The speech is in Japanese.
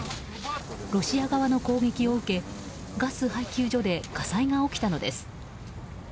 ロシア側の攻撃を受けガス配給所で火災が起きたのです。